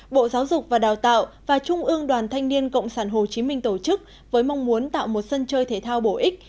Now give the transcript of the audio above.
bộ giáo dục và đào tạo và trung ương đoàn thanh niên cộng sản hồ chí minh tổ chức với mong muốn tạo một sân chơi thể thao bổ ích